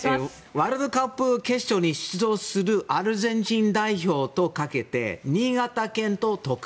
ワールドカップ決勝に出場するアルゼンチン代表とかけて新潟県ととく。